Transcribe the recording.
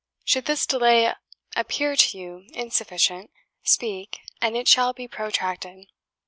Should this delay appear to you insufficient, speak! and it shall be protracted.